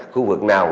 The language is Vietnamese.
khu vực nào